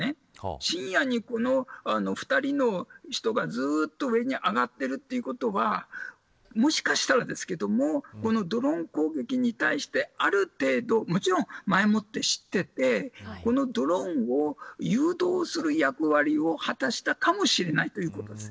深夜に、この２人の人がずっと上に上がっているということはもしかしたらドローン攻撃に対してある程度もちろん、前もって知っていてこのドローンを誘導する役割を果たしたのかもしれないということです。